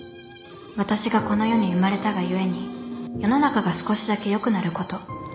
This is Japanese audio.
私がこの世に生まれたがゆえに世の中が少しだけよくなること。